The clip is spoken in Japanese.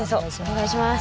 お願いします。